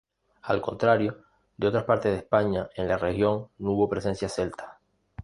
Al contrario de otras partes de España, en la región no hubo presencia celta.